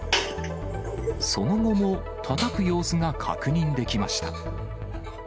その後もたたく様子が確認できました。